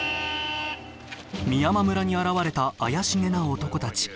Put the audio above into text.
美山村に現れた怪しげな男たち。